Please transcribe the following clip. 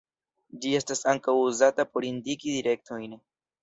Ĝi estas ankaŭ uzata por indiki direktojn.